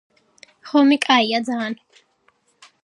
ღომი კაია ძაანნ